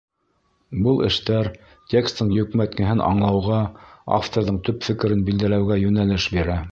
Был эштәр текстың йөкмәткеһен аңлауға, авторҙың төп фекерен билдәләүгә йүнәлеш бирә.